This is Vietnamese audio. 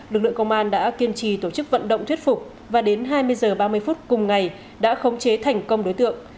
lực lượng công an đã kiên trì tổ chức vận động thuyết phục và đến hai mươi h ba mươi phút cùng ngày đã khống chế thành công đối tượng